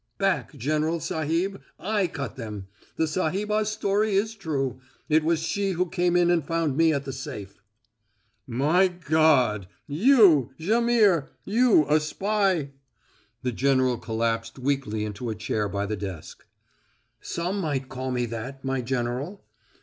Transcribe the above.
"Back, General Sahib! I cut them. The sahibah's story is true. It was she who came in and found me at the safe." "My God! You, Jaimihr you a spy!" The general collapsed weakly into a chair by the desk. "Some might call me that, my General."